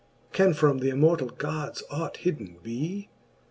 Can from th'immortall Gods ought hidden bee